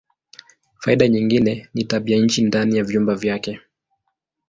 Faida nyingine ni tabianchi ndani ya vyumba vyake.